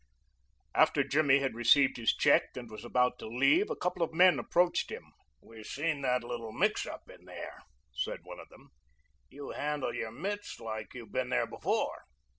After Jimmy had received his check and was about to leave, a couple of men approached him. "We seen that little mix up in there," said one of them. "You handle your mitts like you been there before."